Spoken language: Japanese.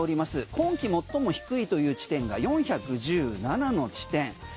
今季最も低いという地点が４１７の地点。